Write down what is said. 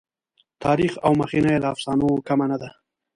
تاریخ او مخینه یې له افسانو کمه نه ده.